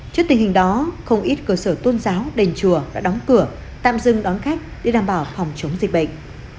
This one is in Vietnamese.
trước tình hình đó không ít cơ sở tôn giáo đền chùa đã đóng cửa tạm dừng đón khách để đảm bảo phòng chống dịch bệnh